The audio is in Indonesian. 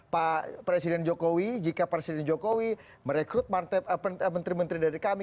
pak presiden jokowi jika presiden jokowi merekrut menteri menteri dari kami